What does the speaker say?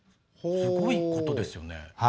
すごいことですよね。